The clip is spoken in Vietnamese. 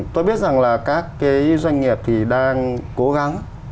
tôi biết rằng là các cái doanh nghiệp thì đang cố gắng